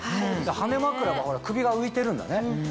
羽根枕は首が浮いてるんだね。